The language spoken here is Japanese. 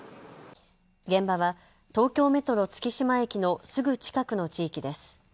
現場は東京メトロ月島駅のすぐ近くの地域です。